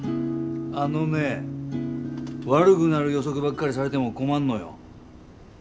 あのね悪ぐなる予測ばっかりされでも困んのよ。